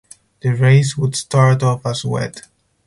The race would start off as wet.